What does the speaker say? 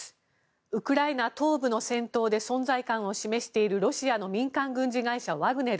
ウクライナ東部の戦闘で存在感を示しているロシアの民間軍事会社ワグネル。